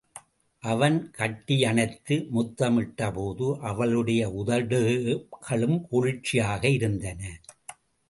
அவன் கட்டியணைத்து முத்தமிட்ட போது அவளுடைய உதடுகளும் குளிர்ச்சியாக இருந்தன.